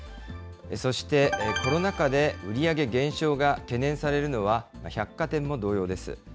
そしてコロナ禍で売り上げ減少が懸念されるのは、百貨店も同様です。